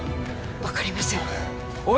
分かりませんおい